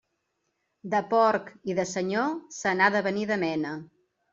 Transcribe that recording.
De porc i de senyor, se n'ha de venir de mena.